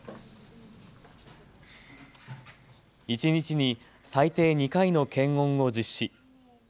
一日に最低２回の検温を実施。